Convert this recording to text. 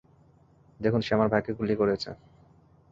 দেখুন, সে আমার ভাইকে গুলি করেছে!